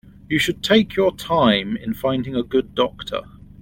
You should take your time in finding a good doctor.